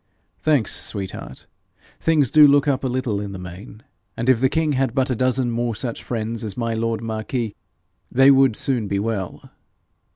'Thanks, sweet heart! Things do look up a little in the main, and if the king had but a dozen more such friends as my lord marquis, they would soon be well.